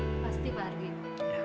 pasti pak arief